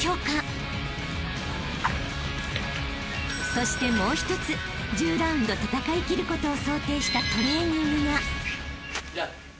［そしてもう一つ１０ラウンド戦い切ることを想定したトレーニングが］